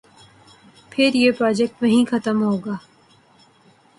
پھر یہ پراجیکٹ وہیں ختم ہو گیا۔